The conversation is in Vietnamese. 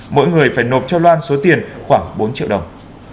mỗi người phải nộp cho loan số tiền khoảng bốn triệu đồng